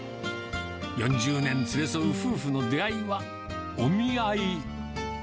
４０年連れ添う夫婦の出会いはお見合い。